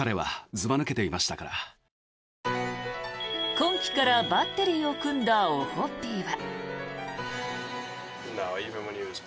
今季からバッテリーを組んだオホッピーは。